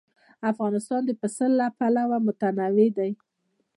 افغانستان د پسه له پلوه متنوع دی.